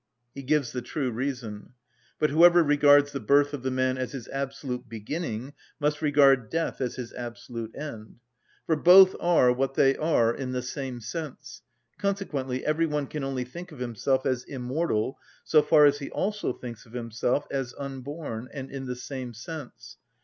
He gives the true reason. But whoever regards the birth of the man as his absolute beginning must regard death as his absolute end. For both are what they are in the same sense; consequently every one can only think of himself as immortal so far as he also thinks of himself as unborn, and in the same sense.